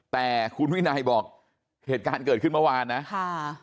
แต่คุณวินัยบอกเหตุการณ์เกิดขึ้นเมื่อวานนะค่ะ